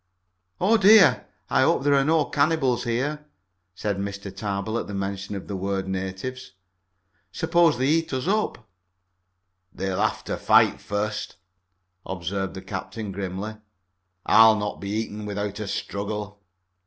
"Oh, dear! I hope there are no cannibals here," said Mr. Tarbill at the mention of the word natives. "Suppose they should eat us up?" "They'd have to fight first," observed the captain grimly. "I'll not be eaten without a struggle."